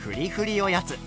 おやつ。